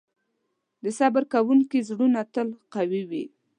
د صبر کوونکي زړونه تل قوي وي.